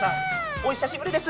おひさしぶりです！